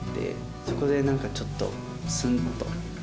そこで何かちょっとスンっと。